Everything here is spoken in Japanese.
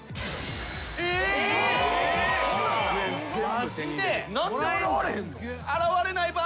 マジで！？